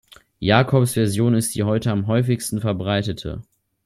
Jacobs’ Version ist die heute am häufigsten verbreitete.